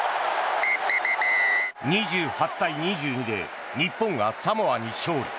２８対２２で日本がサモアに勝利。